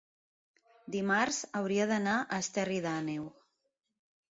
dimarts hauria d'anar a Esterri d'Àneu.